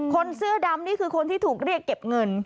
คนเสื้อดำนี่คือคนที่ถูกเรียกเก็บเงิน